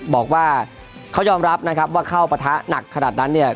บอกว่าเขายอมรับนะครับว่าเข้าปะทะหนักขนาดนั้นเนี่ย